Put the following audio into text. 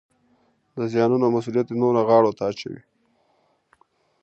د زیانونو مسوولیت نورو غاړې ته اچوي